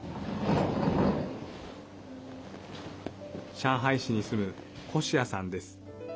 上海市に住む顧子亜さんです。